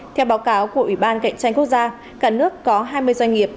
theo báo cáo của ủy ban cạnh tranh quốc gia cả nước có hai mươi doanh nghiệp